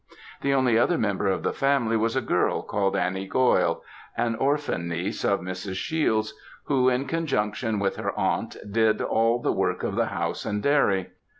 The only other member of the family was a girl, called Annie Goil, an orphan niece of Mrs. Shiel's; who, in conjunction with her aunt, did all the work of the house and dairy.